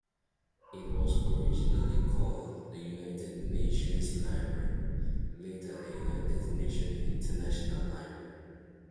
It was originally called the United Nations Library, later the United Nations International Library.